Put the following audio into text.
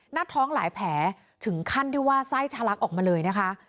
หน้าท้องหลายแผลถึงขั้นที่ว่าไส้ทะลักออกมาเลยนะคะ